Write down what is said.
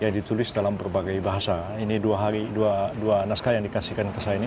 ditulis dalam berbagai bahasa ini dua hari dua naskah yang dikasihkan ke saya ini